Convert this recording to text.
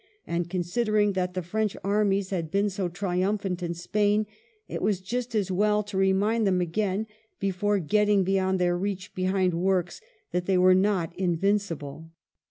And considering that the French armies had been so triumphant in Spain, it was just as well to remind them again, before getting beyond their reach behind works, that they were not invincible.